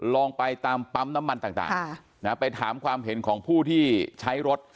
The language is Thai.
ลองไปตามปั๊มน้ำมันต่างไปถามความเห็นของผู้ที่ใช้รถ